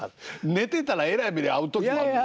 寝てたらえらい目に遭う時もあるでしょ。